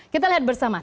kita lihat bersama